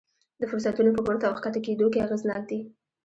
د فرصتونو په پورته او ښکته کېدو کې اغېزناک دي.